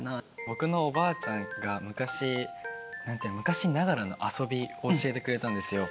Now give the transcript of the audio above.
僕のおばあちゃんが昔昔ながらの遊びを教えてくれたんですよ。